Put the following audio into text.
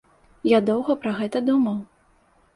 Я доўга пра гэта думаў.